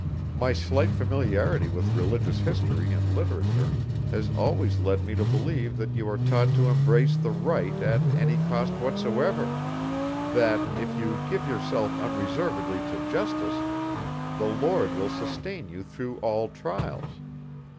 My slight familiarity with religious history and literature has always led me to believe that you are taught to embrace the right at any cost whatsoever that, if you give yourself unreservedly to justice, the Lord will sustain you through all trials.